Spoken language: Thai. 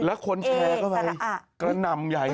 แล้วคนแชร์ก็อะไรกระนำใหญ่น่ะ